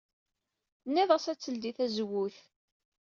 Tennid-as ad teldey tazewwut.